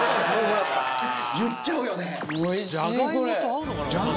言っちゃうよね。